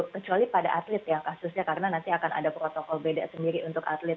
kecuali pada atlet ya kasusnya karena nanti akan ada protokol beda sendiri untuk atlet